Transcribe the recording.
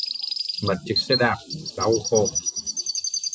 Mất chiếc xe đạp, đau khổ